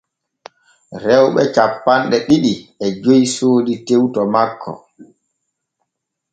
Rewɓe cappanɗe ɗiɗi e joy soodi tew to makko.